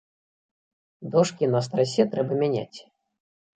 Дошкі на страсе трэба мяняць.